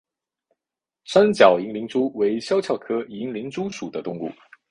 三角银鳞蛛为肖鞘科银鳞蛛属的动物。